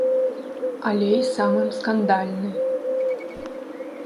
Але і самым скандальны.